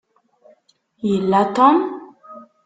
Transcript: Yella Tom?